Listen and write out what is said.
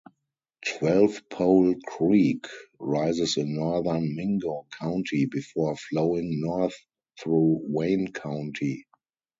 Twelvepole Creek rises in northern Mingo County before flowing north through Wayne County.